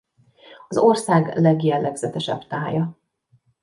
Az ország legjellegzetesebb tája.